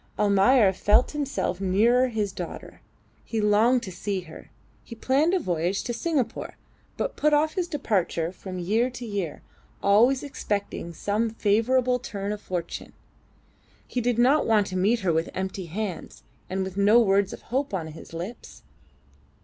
Almayer felt himself nearer his daughter. He longed to see her, and planned a voyage to Singapore, but put off his departure from year to year, always expecting some favourable turn of fortune. He did not want to meet her with empty hands and with no words of hope on his lips.